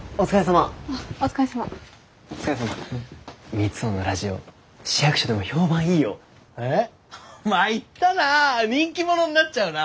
まいったな人気者になっちゃうな。